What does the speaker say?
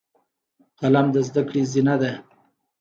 قلم د زده کړې زینه ده